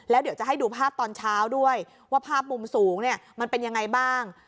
แล้วเดี๋ยวจะให้ดูภาพตอนเช้าด้วยว่าภาพมุมสูงเนี่ยมันเป็นยังไงบ้าง